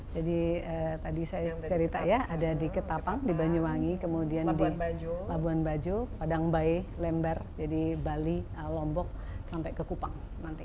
jadi tadi saya cerita ya ada di ketapang di banyuwangi kemudian di labuan bajo padangbae lembar bali lombok sampai ke kupang nanti